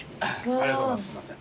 ありがとうございます。